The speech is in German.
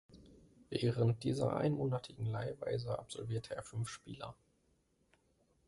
Während dieser einmonatigen Leihweise absolvierte er fünf Spieler.